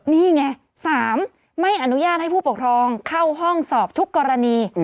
นี่ไง๓ไม่อนุญาตให้ผู้ปกครองเข้าห้องสอบทุกกรณี